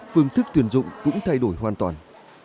phương thức tuyển dụng cũng thay đổi hoàn toàn